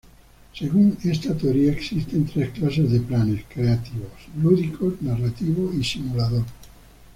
Según esta teoría existen tres clases de planes creativos: lúdico, narrativo y simulador.